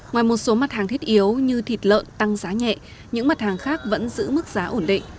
ngoài một số mặt hàng thiết yếu như thịt lợn tăng giá nhẹ những mặt hàng khác vẫn giữ mức giá ổn định